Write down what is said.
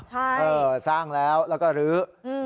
ใช่เออสร้างแล้วแล้วก็ลื้อ